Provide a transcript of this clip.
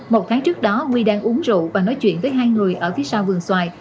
một tháng trước đó huy đang uống rượu và nói chuyện với hai người ở phía sau vườn xoài